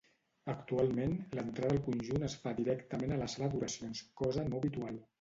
Actualment, l'entrada al conjunt es fa directament a la sala d'oracions, cosa no habitual.